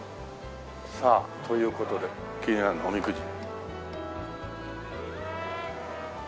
さあという事で気になるのはおみくじ。